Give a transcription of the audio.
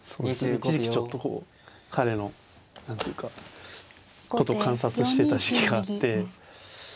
一時期ちょっとこう彼の何ていうかことを観察してた時期があって。